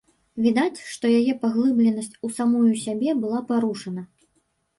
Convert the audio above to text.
Відаць, што яе паглыбленасць у самую сябе была парушана.